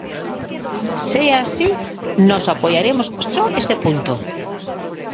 Se é así, nós apoiaremos só este punto.